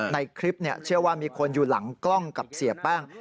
ในคลิปเชื่อว่ามีคนอยู่หลังกล้องกับเสียแป้ง